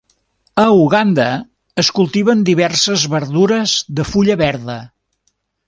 A Uganda es cultiven diverses verdures de fulla verda.